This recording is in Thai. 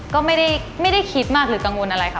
ก็ไม่ได้คิดมากหรือกังวลอะไรค่ะ